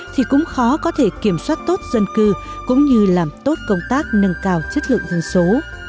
thì cũng khó có thể kiểm soát tốt dân cư cũng như làm tốt công tác nâng cao chất lượng dân số